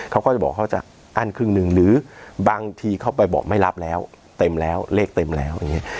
เขาก็จะบอกเขาจะอั้นครึ่งหนึ่งหรือบางทีเขาไปบอกไม่รับแล้วเต็มแล้วเลขเต็มแล้วอย่างนี้